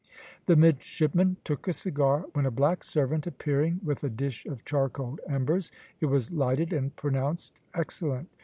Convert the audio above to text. The midshipman took a cigar, when a black servant appearing with a dish of charcoal embers, it was lighted and pronounced excellent.